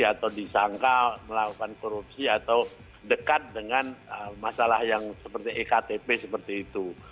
atau disangka melakukan korupsi atau dekat dengan masalah yang seperti ektp seperti itu